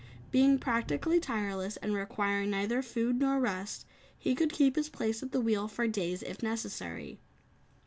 Being practically tireless and requiring neither food nor rest, he could keep his place at the wheel for days if necessary.